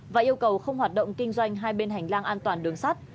và yêu cầu không hoạt động kinh doanh hai bên hành lang an toàn đường sắt